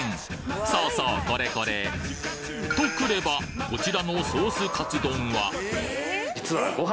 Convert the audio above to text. そうそうこれこれとくればこちらのソースカツ丼はご飯？